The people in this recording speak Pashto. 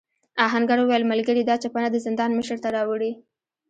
آهنګر وویل ملګري دا چپنه د زندان مشر ته راوړې.